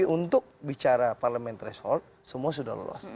untuk bicara parliamentary short semua sudah lolos